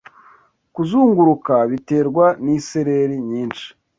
Kuzunguruka biterwa nisereri nyinshi